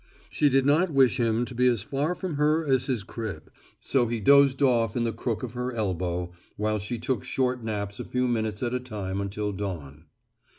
She did not wish him to be as far from her as his crib, so he dozed off in the crook of her elbow, while she took short naps a few minutes at a time until dawn.